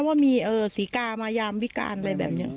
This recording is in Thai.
ว่ามีศรีกามายามวิการอะไรแบบนี้